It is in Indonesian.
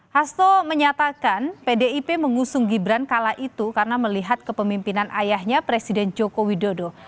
hasto menyatakan pdip mengusung gibran kala itu karena melihat kepemimpinan ayahnya presiden joko widodo